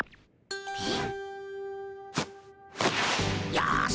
よし！